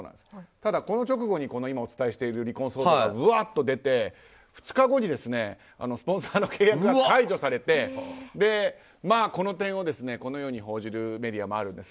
ただ、この直後に離婚騒動がうわっと出て２日後にスポンサーの契約が解除されてこの点をこのように報じるメディアもあるんです。